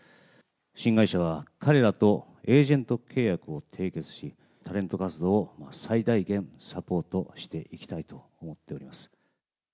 新会社は彼らとエージェント契約を締結し、タレント活動を最大限、サポートしていきたいと思っております。